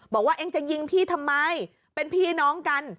บอกว่าเองจะยิงพี่ทำไมเป็นพี่น้องกัน